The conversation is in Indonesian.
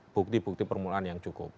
bukti bukti permulaan yang cukup